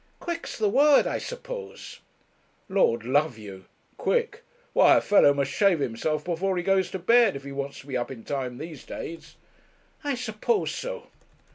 'Quick's the word, I suppose.' 'Lord love you! Quick! Why, a fellow must shave himself before he goes to bed if he wants to be up in time these days.' 'I suppose so.'